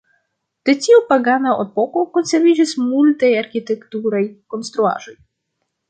De tiu pagana epoko konserviĝis multaj arkitekturaj konstruaĵoj.